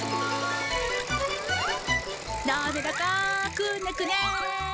なめらかくねくね。